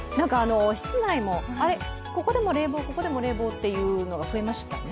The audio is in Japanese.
室内も、ここでも冷房、ここでも冷房というのが増えましたね。